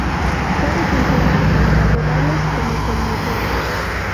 Puede funcionar tanto a pedales como con motor.